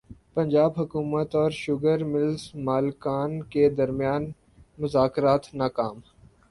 پنجاب حکومت اور sugar mills مالکان کے درمیان مذاکرات ناکام